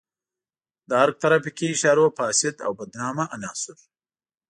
د ارګ ترافیکي اشارو فاسد او بدنامه عناصر.